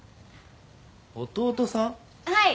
はい。